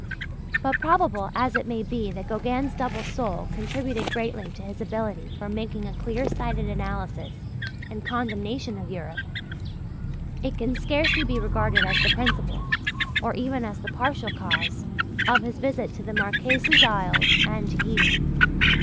But, probable as it may be that Gauguin's double soul contributed greatly to his ability for making a clear sighted analysis and condemnation of Europe, it can scarcely be regarded as the principal, or even as the partial cause of his visit to the Marquesas Isles and Tahiti.